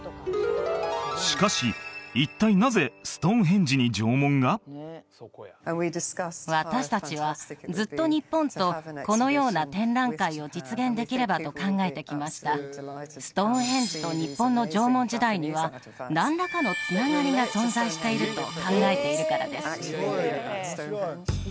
しかし私達はずっと日本とこのような展覧会を実現できればと考えてきましたストーンヘンジと日本の縄文時代には何らかのつながりが存在していると考えているからです